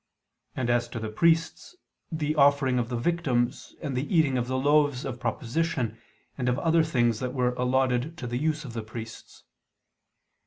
and, as to the priests, the offering of the victims, and the eating of the loaves of proposition and of other things that were allotted to the use of the priests.